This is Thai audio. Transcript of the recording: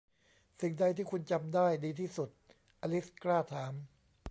'สิ่งใดที่คุณจำได้ดีที่สุด ?' อลิซกล้าถาม